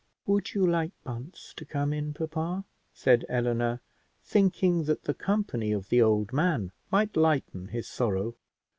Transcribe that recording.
"Would you like Bunce to come in, papa?" said Eleanor, thinking that the company of the old man might lighten his sorrow.